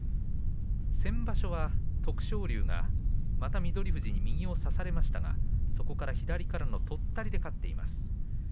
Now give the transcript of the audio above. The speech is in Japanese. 先場所は徳勝龍が翠富士に右を差されましたが左からのとったりで勝っています。